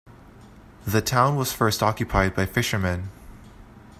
The town was first occupied by fishermen.